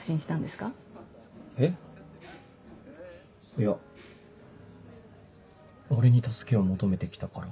いや俺に助けを求めてきたから。